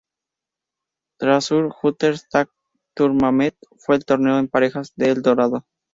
Treasure Hunters Tag Tournament fue el torneo en parejas de El Dorado.